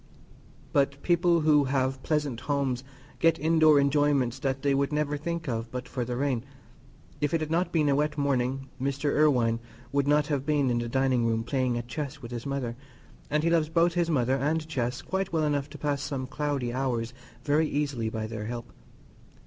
But people who have pleasant homes get indoor enjoyments that they would never think of but for the rain. If it had not been a wet morning, Mr. Irwine would not have been in the dining room playing at chess with his mother, and he loves both his mother and chess quite well enough to pass some cloudy hours very easily by their help.